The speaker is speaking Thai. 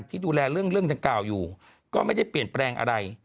ที่ดูแลเรื่องดังกล่าวอยู่ก็ไม่ได้เปลี่ยนแปลงอะไร